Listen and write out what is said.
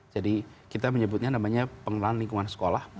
jadi kita menyebutnya namanya pengenalan lingkungan sekolah